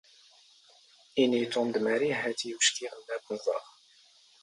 ⵉⵏⵉ ⵉ ⵜⵓⵎ ⴷ ⵎⴰⵔⵉ ⵀⴰⵜ ⵉ ⵓⵛⴽⵉⵖ ⵏⵏ ⴰⴷ ⵜⵏ ⵥⵕⵖ.